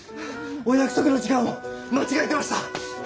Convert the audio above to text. お約束の時間を間違えてました。